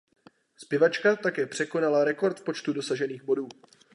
Zpěvačka také překonala rekord v počtu dosažených bodů.